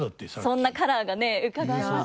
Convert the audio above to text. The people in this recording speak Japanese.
そんなカラーがねうかがえましたよね。